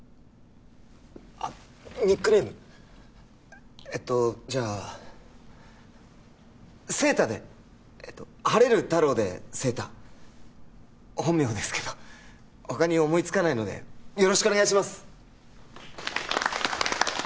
あっニックネームえっとじゃあ晴太でええと晴れる太郎で晴太本名ですけど他に思いつかないのでよろしくお願いします